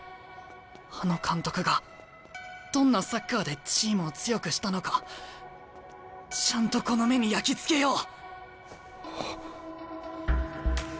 あの監督がどんなサッカーでチームを強くしたのかちゃんとこの目に焼き付けよう！